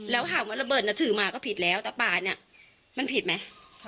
แล้วถามว่าระเบิดน่ะถือมาก็ผิดแล้วแต่ป่าเนี่ยมันผิดไหม